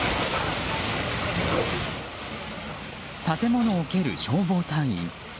建物を蹴る消防隊員。